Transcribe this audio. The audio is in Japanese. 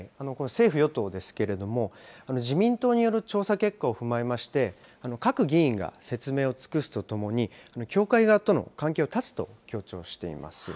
政府・与党ですけれども、自民党による調査結果を踏まえまして、各議員が説明を尽くすとともに、教会側との関係を断つと強調しています。